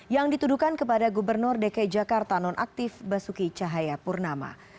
yang ditudukan kepada gubernur dki jakarta non aktif basuki cahaya purnama